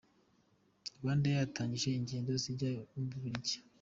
RwandAir yatangije ingendo zijya mu Bubiligi.